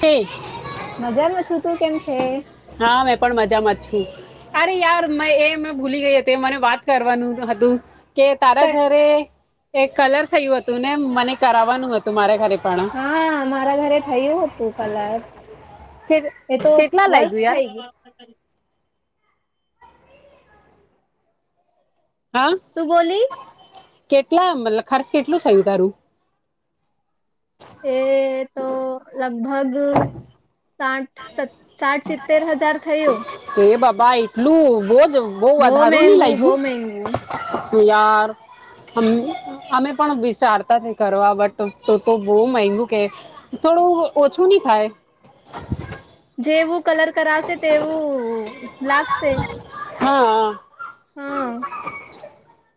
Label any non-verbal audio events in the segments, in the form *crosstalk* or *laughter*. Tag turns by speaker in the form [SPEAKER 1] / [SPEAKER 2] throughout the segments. [SPEAKER 1] તે
[SPEAKER 2] મજામાં છું તું કેમ છે
[SPEAKER 1] હા મેં પણ મજામાં જ છું અરે યાર મે એ મે ભૂલી ગઈ હતી મને વાત કરવાનું હતું કે તારા
[SPEAKER 2] કઈ
[SPEAKER 1] ઘરે એ કલર થયું હતું તું ને મને કરાવવાનું હતું તમારે ઘરે પણ
[SPEAKER 2] હા મારા ઘરે થયું હતું કલર
[SPEAKER 1] કે
[SPEAKER 2] એ તો
[SPEAKER 1] કેટલા
[SPEAKER 2] વર
[SPEAKER 1] લાગ્યું યાર
[SPEAKER 2] થઈ ગઈ *unintelligible*
[SPEAKER 1] હા
[SPEAKER 2] તું બોલી
[SPEAKER 1] કેટલા મતલબ ખર્ચ કેટલું થયું તારું
[SPEAKER 2] એ તો લગભગ સાઠ સત સાઠ સિત્તેર હજાર થયું
[SPEAKER 1] હે બાબા એટલું બો બહુ વધારું નહી
[SPEAKER 2] મહેંગુ બહુ મહેંગુ
[SPEAKER 1] લાગ્યું યાર અમે પણ વિચારતા નથી કરવા બટ તો તો બહુ મગું કે થોડું ઓછું નહી થાય
[SPEAKER 2] જેવું કલર કરાવશે તેવું લાગશે
[SPEAKER 1] હા
[SPEAKER 2] હમ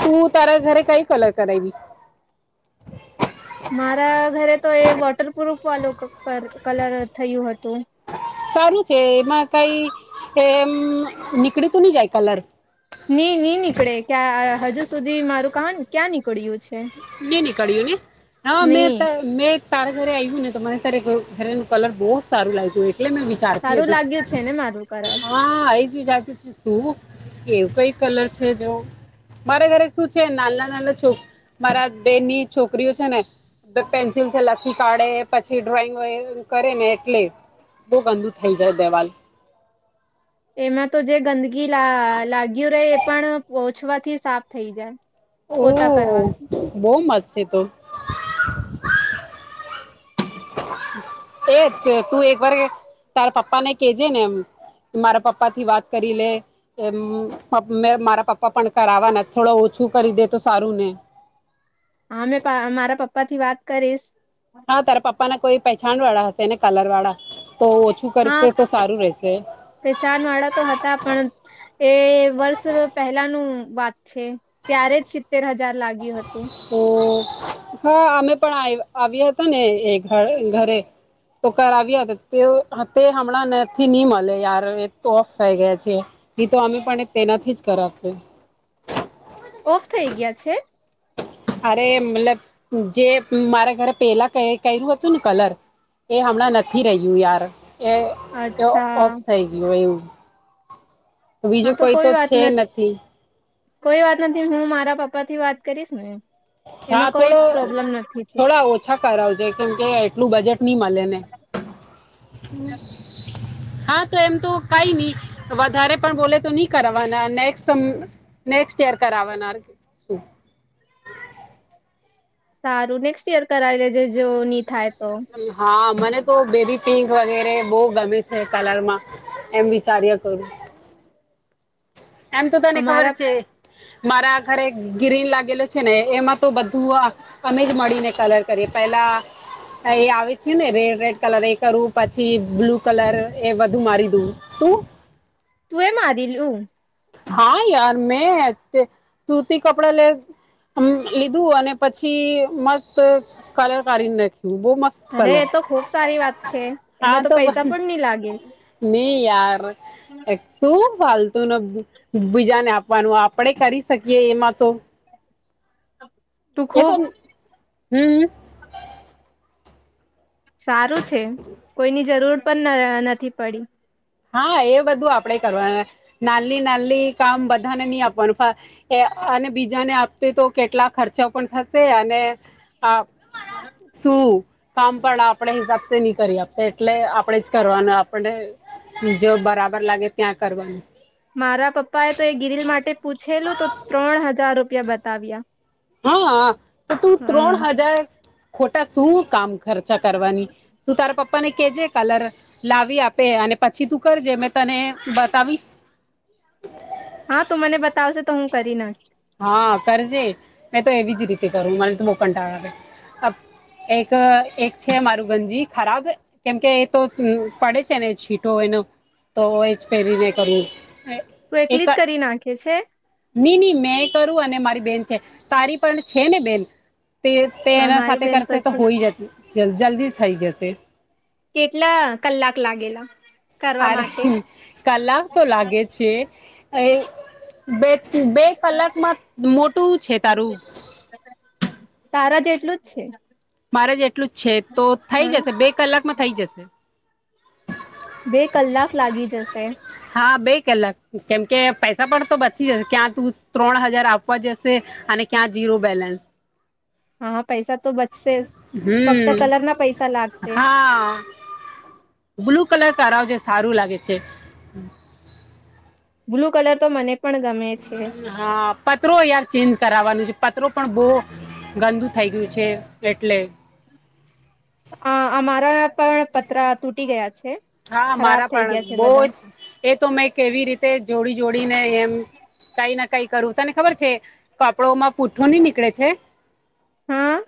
[SPEAKER 1] તું તારા ઘરે કઈ કલર કરાવવી
[SPEAKER 2] મારા ઘરે તો એ વોટરપ્રુફ વાળું કલર થયું હતું
[SPEAKER 1] સારું છે એમાં કઈ એમ નીકળીતું નહી જાય કલર
[SPEAKER 2] નઈ નની નીકળે ક્યાં હજુ સુધી મારું કામ ક્યાં નીકળય્યું છે
[SPEAKER 1] નીની કાળીઓને હા મે
[SPEAKER 2] ની
[SPEAKER 1] મે સારા ઘરે આવ્યું ને તો મરે ત ઘરે નું કલર બહુ જ સારું લાગત્યું એટલે મેં વિચારતી
[SPEAKER 2] સારું લાગ્યું
[SPEAKER 1] હતી
[SPEAKER 2] છે ને મારું કલર
[SPEAKER 1] હા એ જ વિચારતી શું કેવું કઈ કલર છે જો મારે ઘરે શું છે નાના નાના છોક મારા બેનની છોકરીઓ છે ને પેન્સિલ લખી કાઢે પછી ડ્રોઈંગ કરે ને એટલે બહ ગંદુ થઈ જાય દેવાલ
[SPEAKER 2] એમાં તો જે ગંદકીી લાગ્યું રહે એ પણ ઓછવાથી સાફ થઈ જાય પોતા કરવાથી
[SPEAKER 1] શ તો એજ તું એક વાર તારા પપ્પા ને કેજે ને એમ મારા પપ્પા થી વાત કરી લે મે મારા પપ્પા પણ કરાવવાના થોડું ઓછું કરી દે તો સારું ને
[SPEAKER 2] હામે મારા પપ્પા થી વાત કરીશ
[SPEAKER 1] હા તાર પાપા ના કોઈ પચાણ વાળા હશે ને કલર વાળા તો ઓછું કરશે
[SPEAKER 2] હા
[SPEAKER 1] તો સારું રહેશે
[SPEAKER 2] પચાન વાળા તો હતા પણ એ વર્ષ પહેલાનું વાત છે ત્યારે જ સિત્તેર હજાર લાગી હતી
[SPEAKER 1] *inaudible* હા અમે પણ આવ્યા હતા ને એ ઘરે તો કરાવ્યા હતા તે તે હમણાં નથી નહી મળે યાર એ તો ઓફ થઈ ગયા છે તો અમે પણ તેનાથી જ કરાવત
[SPEAKER 2] ઓફ થઈ ગયા છે
[SPEAKER 1] અરે મતલબ જે મારે ઘરે પેલા કર્યું હતું ને કલર એ હમણાં નથી રહ્યું યાર એ એ
[SPEAKER 2] અચ્છા
[SPEAKER 1] ઓફ થઈ ગયો એવું બીજું કોઈ તો છે નથી
[SPEAKER 2] કોઈ વાત નથી હું મારા પપ્પા થી વાત કરીશ ને એમ
[SPEAKER 1] હા થોડો
[SPEAKER 2] છે
[SPEAKER 1] થોડા ઓછા કરાવજ કેમ કે એટલું બજેટ નહી મળેને
[SPEAKER 2] હમ,
[SPEAKER 1] હા તો એમ તો કઈ નહી વધારે પણ બોલે તો નહી કરના નેક્સ્ટ નેક્સ્ટ યર કરવાના શું
[SPEAKER 2] સારું નેક્સ્ટ ઈયર કરાવી લેજ જે ની થાય તો
[SPEAKER 1] હા મને તો બેદી પિંક વગેરે બહ ગમે છે કલરમાં એમ વિચારએ કરું એમ તો તને ખબર
[SPEAKER 2] અમારા
[SPEAKER 1] છે મારા ઘરે ગ્રીન લાગેલો છે ને, એમાં તો બધું અમે જ મળીને કલર કરીએ. પેલા એ આવી છે ને રે રેડ કલર એ કરુ પછી બ્લુ કલર, એ બધું મારી દઉ. તું?
[SPEAKER 2] તું એ મારેલું?
[SPEAKER 1] હા, યાર મેં. તે સૂતી કપડા લે લીધું, અને પછી મસ્ત કલર કાઢીને નાખી.
[SPEAKER 2] અરે, એ તો ખુબ સારી વાત છે. એમાં તો પૈસા પણ ની લાગે.
[SPEAKER 1] એ યાર એ સું ફાલતુનો બ બીજાને આપવાનું. આપણે કરી શકીએ એમાં તો.
[SPEAKER 2] *unintelligible* તું ખૂબ
[SPEAKER 1] હમ્મ.
[SPEAKER 2] સારું છે, કોઈની જરૂર પણ ન નથી પડી.
[SPEAKER 1] હા, એ બધું આપણે કરવાન. નાન્લી નાન્લી કામ બધાને ની આપવાનું, ફા અને બીજાને આપતી તો કેટલા ખર્ચા પણ થસે અને હા શું કામ પણ આપણે હિસાબથી ની કરી આપસે, એટલે આપણેે જ કરવાનું આપ આપણને જો બરાબર લાગે ત્યાં કરવાનું
[SPEAKER 2] છેલ્લું તો ત્રણ હજાર રુ પિયા બતાવ્યા
[SPEAKER 1] હા, તો તું
[SPEAKER 2] હમ
[SPEAKER 1] ત્રણ હજાર ખોટા શું કામ ખર્ચા કરવાની? તું તારા પપ્પા પ્પાને કેહજે કલર લાવી આપે, અને પછી તું કરજે. મેં તને બતાવી
[SPEAKER 2] હા, તું મને બતાવસે તો હું કરી નાખીસ.
[SPEAKER 1] હા, કરજે. મેં તો એવી જ રીતે કરું. મારે તો બો કંટારો આવે. એક એક છે મારું ગંજી ખરાબ, કેમકે એ તો પડે છે ને છીટો એનો. તો એ જ પહેરીને કરું.
[SPEAKER 2] તું એકલી જ કરી નાખે છે?
[SPEAKER 1] ની ની, મેં કરું અને મારી બેન છે. તારી પણ છે ને બેન? તે તે,
[SPEAKER 2] હા
[SPEAKER 1] એના
[SPEAKER 2] મારી
[SPEAKER 1] સાથે
[SPEAKER 2] બેન
[SPEAKER 1] કરશે, તો
[SPEAKER 2] છે
[SPEAKER 1] હોય જસે. જલ્ જલ્દી થઈ જશે.
[SPEAKER 2] કેટલા કલાક લાગેલા? કરવા
[SPEAKER 1] અરે,
[SPEAKER 2] માટે
[SPEAKER 1] કલાક તો લાગે છે. અ બે બે કલાકમાં મોટું છે તારું
[SPEAKER 2] તારા જેટલું જ છે
[SPEAKER 1] મારે જે એટલું જ છે તો થઈ
[SPEAKER 2] હા
[SPEAKER 1] જશે બે કલાકમાં થઈ જશે
[SPEAKER 2] બે કલાક લાગી જશે
[SPEAKER 1] હા બે કલાક કેમકે પૈસા પણ તો બચી જશે ક્યાં તું ત્રણ હજાર આપવા જશે અને ક્યાં જઝીરો બેલેન્સ
[SPEAKER 2] હા પૈસા તો બચશે ફક્ત
[SPEAKER 1] હમ
[SPEAKER 2] કલર ના પૈસા લાગશે
[SPEAKER 1] હા બ્લુ કલર તાવજ સારું લાગે છે
[SPEAKER 2] બ્લુ કલર તો મને પણ ગમે છે
[SPEAKER 1] હા પત્રરો યાર ચેન્જ કરાવાનું છે પત્રો પણ બહુ ગંદુ થઈ ગયું છે એટલે
[SPEAKER 2] અ અમારા પણ પતરા તૂટી ગયા છે
[SPEAKER 1] હા
[SPEAKER 2] ખરાબ
[SPEAKER 1] મારા
[SPEAKER 2] થઈ
[SPEAKER 1] પણ
[SPEAKER 2] ગયા છે બધા.
[SPEAKER 1] બહ જ એ તો મેં કેવી રીતે જોડી જોડીને એમ કઈ ના કઈ કરું તને ખબર છે કપડોમાં પૂઠ્ઠો નહી નીકળે છે
[SPEAKER 2] હા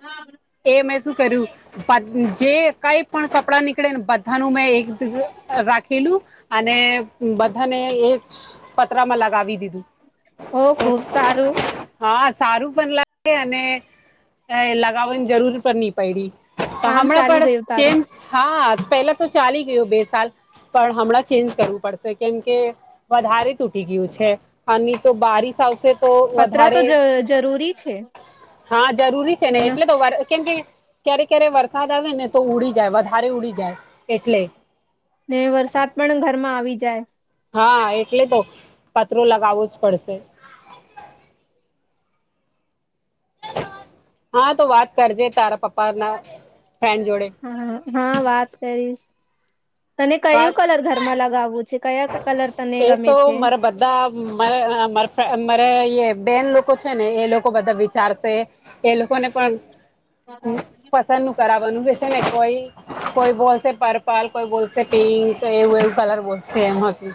[SPEAKER 1] એમ એસ શું કર્યું જે કઈ પણ કપડાં નીકળે ને બધાનું મેં એક રાખેલું અને બધાને એક પતરામાં લગાવી દીધું
[SPEAKER 2] ઓ ખુબ સારું
[SPEAKER 1] હા સારું પણ લાગે અને લગાવવાની જરૂર પણ ન પડી તો
[SPEAKER 2] કામ
[SPEAKER 1] હરા
[SPEAKER 2] ચાલી
[SPEAKER 1] પર
[SPEAKER 2] ગયું તારું
[SPEAKER 1] ચેન્જ હા પહેલા તો ચાલી બે સાલ પણ હમણાં ચેન્જ કરવું પડશે કેમ કે વધારે તૂટી ગયું છે આ તો બારીિશ આવશે તો
[SPEAKER 2] પતરા તો
[SPEAKER 1] વધારે
[SPEAKER 2] જ જરૂરી છે
[SPEAKER 1] હા જરૂરી છે ને
[SPEAKER 2] મને
[SPEAKER 1] એટલે તો કેમ કે ક્યારે ક્યારે વરસાદ આવે ને તો ઉડી જાય વધારે ઉડી જાય એટલે
[SPEAKER 2] ને વરસાદ પણ ઘરમાં આવી જ જાય
[SPEAKER 1] હા એટલે તો પત્ર લગાવવો જ પડશે હા તો વાત કરજે તારા પપ્પા ના
[SPEAKER 2] હા હા વાત કરીશ તને
[SPEAKER 1] વાત
[SPEAKER 2] કયું કલર ઘરમાં લગાવવું છે કયા કલર તને
[SPEAKER 1] એ
[SPEAKER 2] ગમે
[SPEAKER 1] તો
[SPEAKER 2] છે
[SPEAKER 1] મારા બધા મારે બેન લોકો છે ને એ લોકો બધા વિચારશે એ લોકો ને પણ
[SPEAKER 2] *inaudible*
[SPEAKER 1] બનું બેસે ને કોઈ કોઈ બોલશે પર્પલ કોઈ બોલશે પિંક એવું એવું કલર બોલ તેમેમ હશે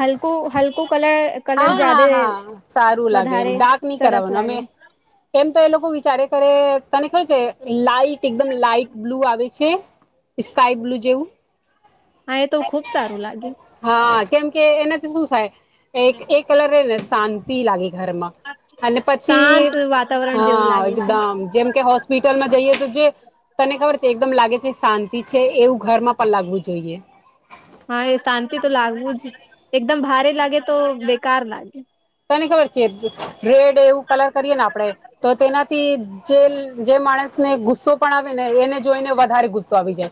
[SPEAKER 2] હલકું હલકું કલર કલર
[SPEAKER 1] હા
[SPEAKER 2] જાદે
[SPEAKER 1] હા હા સારું લાગે એમ
[SPEAKER 2] વધારે
[SPEAKER 1] ડાક નહી
[SPEAKER 2] સરસ
[SPEAKER 1] કરાવવાનું અમે
[SPEAKER 2] લાગે
[SPEAKER 1] એમ તો એ લોકો વિચારે તને ખબર છે લાઈટ એકદમ લાઈટ બ્લુ આવે છે સ્કાય બ્લુ જેવું.
[SPEAKER 2] આ તો ખુબ સારું લાગે.
[SPEAKER 1] હા કેમ કે એનાથી શું થાય. એક એ કલર શાંતિ લાગે. ઘરમાં અને પછી
[SPEAKER 2] શાંત વાતાવરણ જેવું
[SPEAKER 1] હા
[SPEAKER 2] લાગે છે
[SPEAKER 1] એકદમ જેમ કે હોસ્પિટલમાં જઈએ તો જે તને ખબર છે એકદમ લાગે છે શાંતિ છે એવું ઘરમાં પણ લાગવું જોઈએ.
[SPEAKER 2] હા એ શાંતિ તો લાગવું જ એકદમ ભારે લાગે તો બેકાર લાગે.
[SPEAKER 1] તની ખ પર છે. રેડ એવું કલર કરીએ ને આપડે તો તેનાથી જે જે માણસ ને ગુસ્સો પણ આવે ને એને જોઈ ને વધારે ગુસ્સો સ્વાભીજ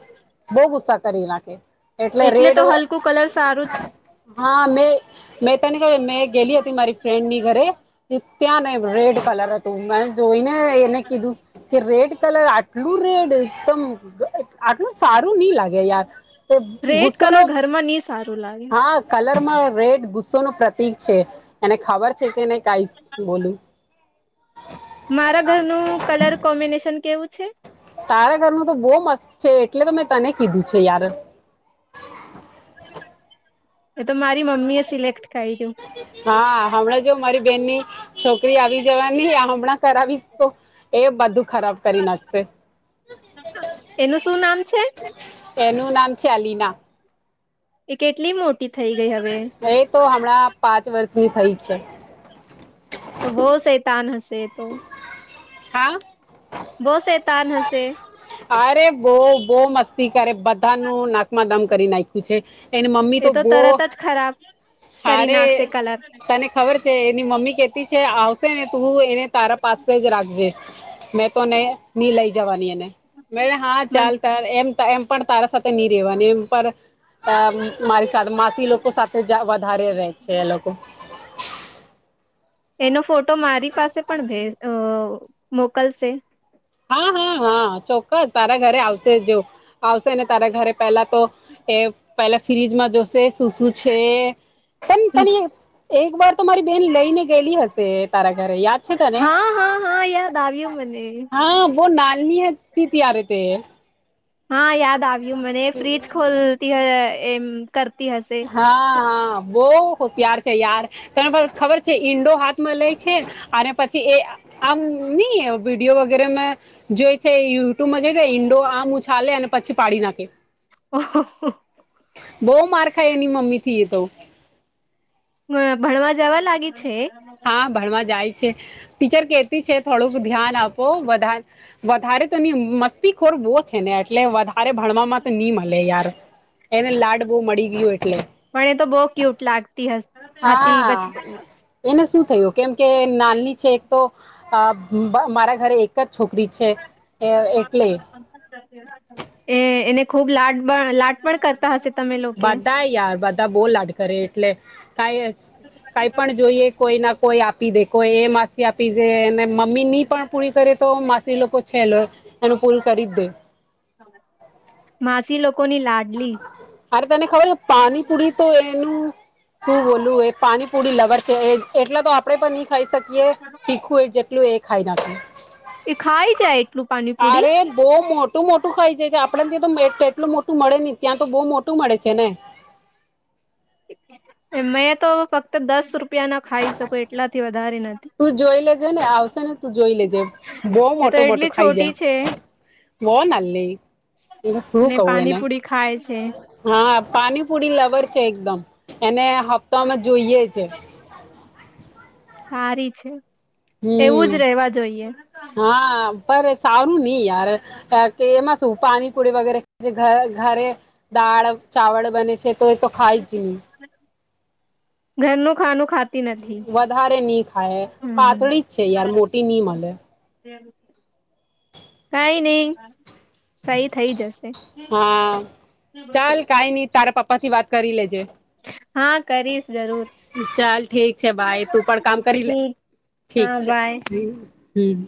[SPEAKER 1] બહુ ગુસ્સા તરીલાકે
[SPEAKER 2] એટલે તો હલકું કલર સારું છે.
[SPEAKER 1] હા મેં મે તની મેં ગેલી મારી ફ્રેન્ડની ઘરે ત્યાં ને રેડ કલર હતું મે જોઈને. *unintelligible* રેડ કલર બ્લુરેેડ તમ આટલું સારું નઈ લાગે યાર. તો
[SPEAKER 2] રેડ
[SPEAKER 1] ઘુસ્સો ન
[SPEAKER 2] કલર ઘરમાં નહી સારું લાગ્યું.
[SPEAKER 1] રેડ ગુસ્સો નું પ્રતિક છે એને ખબર છે કે નને કઈ બોલું
[SPEAKER 2] મારા ઘરનું કલર કોમ્બિનેશન કેવું છે.
[SPEAKER 1] તારા ઘરનું તો બહુ મસ્ત છે એટલે તો મેં તને કીધું છે યાર
[SPEAKER 2] એ તો મારી મમ્મી એ સિલેક્ટ કરાઈું.
[SPEAKER 1] હા હમણાં જો મારી બેન ની છોકરી આવી જવાની હમણાં કરાવીશ તો એ. *inaudible* નાખશે
[SPEAKER 2] એનું શું નામ છે?
[SPEAKER 1] એનું નામ છે અલીના.
[SPEAKER 2] એ કેટલી મોટી થઈ ગઈ હવે
[SPEAKER 1] એ તો હમણાં પાંચ વર્ષની થઇ છે.
[SPEAKER 2] તે તો
[SPEAKER 1] હા
[SPEAKER 2] બહસ સ્ન હશે
[SPEAKER 1] બહ બહ મસ્તી કરે બધા નું નાકમાં દામ કરી નાખી છે એની મમ્મી તો
[SPEAKER 2] એ
[SPEAKER 1] બો
[SPEAKER 2] તરત જ ખરાબ કરી
[SPEAKER 1] હારે
[SPEAKER 2] નાખશે કલર
[SPEAKER 1] તને ખબર છે એની મમ્મી કે છે આવશે ને હું એને તારા પાસે જ રાખજે મેં તોને ની લઈ જવાની એને મે હા
[SPEAKER 2] મન
[SPEAKER 1] ચાલ ત એમ એમ પણ તારા સાથે નહી રેવાની એમ પર મારી સાથે માસી લોકો સાથે વધારે ર છે એ લોકો
[SPEAKER 2] એનો ફોટો મારી પાસે પણ ભ મોકલશે
[SPEAKER 1] હા હા હા ચોક્કસ તારા ઘરે આવશે જો આવશે ને તારા ઘરે પહેલા તો એ પહેલા ફ્રીજમાં જોશે શું શું છે પણ તની એક વાર મારી બેન લઈને ગયેલી હશે તારા ઘરે યાદ છે તને
[SPEAKER 2] હા હા હા યાદ આવ્યું મને
[SPEAKER 1] હા વો નાાલની હથી ત આરેતે
[SPEAKER 2] હા યાદ આવ્યું મને ફ્રીિજ ખોલતી હોય એમ કરતી હશે
[SPEAKER 1] હા હા બહુ હોશિયાર છે યાર ત ખબર છે ઇન્ડો હાથ મળે છે અને પછી એ આમ નહી વિડીયો વગેરે જોય છે યુટ્યુબમાં જોઈ છે ઈન્ડો આમ ચાલે પછી પાડી નાખે
[SPEAKER 2] ઓહોહો.
[SPEAKER 1] બહ માર્ મ્મી થ એ તો
[SPEAKER 2] ભણવા જવા લાગી છે
[SPEAKER 1] હા ભણવા જાય ટીરતીડ ધ્યાન આપો વધારે તો મસ્તીોને એટલે અરે ભણવાવામાં તો નીમ હે યાર એને લાડ બહ મળી ગયો એટલે
[SPEAKER 2] પણ એ તો બહુ ક્યુટ લાગતી હસ હતી
[SPEAKER 1] હા
[SPEAKER 2] બચપન
[SPEAKER 1] એને શું થું કેમ કે નાલની છે એક તો મારા ઘરે છોકરી છે એટલે
[SPEAKER 2] એ એને ખુબ લાડ લાડ પણ કરતા હશે તમે લોકો
[SPEAKER 1] બધા યાર બધા બહુ લાડ કરે એટલે કઈ કાઈ પણ જોઈએ કોઈ ના કોઈ આપ આપી દે કોઈ એ માસ આપીધે એને મમ્મી ની પણ પૂરી કરે તો લોકો છે એનું પૂરું કરી જ દે
[SPEAKER 2] માસી લોકો
[SPEAKER 1] અરે તને ખબર છે પાણીપુરી તો એનું શું બોલું એ પાણીપુડી લવર છે એટલા તો આપડે પણ થઈ શકીએ તીખું જેટલું એક ખાઈના પે
[SPEAKER 2] એ ખાઈ જાય એટલું પાણીપુરી
[SPEAKER 1] બહુ *inaudible* ખાઈ જાય આપ ત્યા તોટલું મોટું ન ત્યાં તો બહુ મોટું મળે છે ને
[SPEAKER 2] એમ તો ફક્ત દસ રૂપ રૂપિયા ના ખાઈ શકો એટલાથી વધારે નથી
[SPEAKER 1] તું જોઈ લેજે ને આવશે ને તું જોઈ લેજે બહ
[SPEAKER 2] એ તો
[SPEAKER 1] મોટું મોટો
[SPEAKER 2] એટલી
[SPEAKER 1] ખાઈ જ
[SPEAKER 2] છોટી છે
[SPEAKER 1] બહ નાાલ લે શું
[SPEAKER 2] અને
[SPEAKER 1] કવું એને
[SPEAKER 2] પાણીપુરી ખાય છે
[SPEAKER 1] હા પાણીપુરી લવર છે એકદમ એને સપ્તામાં જોઈએ છે
[SPEAKER 2] સારી છે એવું જ
[SPEAKER 1] હમ
[SPEAKER 2] રહેેવા જોઈએ
[SPEAKER 1] હા પર સારું નઈ યાર કેમાં સપ પાણીપુરી વગેરે છે ઘ ઘરે દાળ ચાવલ બને છે તું એ તો ખાઈ જ ન
[SPEAKER 2] ઘરનું ખાનું ખાતી નથી
[SPEAKER 1] વધારે નની ખાય
[SPEAKER 2] હમ
[SPEAKER 1] પાતળી જ છે યાર મોટી ની મળે
[SPEAKER 2] કઈ નઈ સહી થઈ જશે
[SPEAKER 1] હા ચાલ કઈ નહી તારા પપ્પા થી વાત કરી લેજે.
[SPEAKER 2] હા કરીશ જરૂર
[SPEAKER 1] ચાલ ઠીક છે ભાઈ, તું પણ કામ કરી લે.
[SPEAKER 2] ઠીક
[SPEAKER 1] ઠીક
[SPEAKER 2] હા
[SPEAKER 1] છે,
[SPEAKER 2] બાય
[SPEAKER 1] હમ્મ.